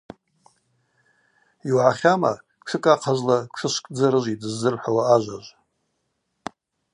Йугӏахьама: Тшыкӏ ахьызла тшышвкӏ дзы рыжвитӏ – ззырхӏвауа ажважв.